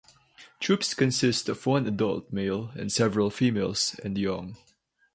Troops consist of one adult male and several females and young.